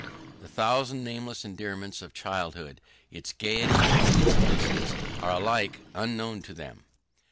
The thousand nameless endearments of childhood, its gaiety and its innocence, are alike unknown to them.